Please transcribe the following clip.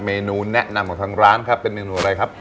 เมนูแนะนำของทางร้านครับเป็นเมนูอะไรครับ